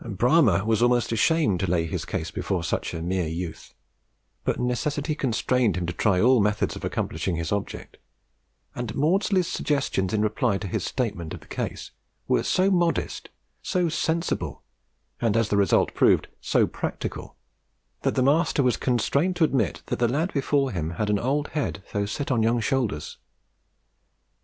Bramah was almost ashamed to lay his case before such a mere youth; but necessity constrained him to try all methods of accomplishing his object, and Maudslay's suggestions in reply to his statement of the case were so modest, so sensible, and as the result proved, so practical, that the master was constrained to admit that the lad before him had an old head though set on young shoulders.